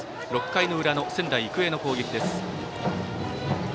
６回裏の仙台育英の攻撃です。